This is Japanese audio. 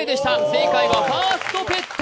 正解はファーストペット。